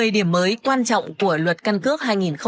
một mươi điểm mới quan trọng của luật căn cước hai nghìn hai mươi ba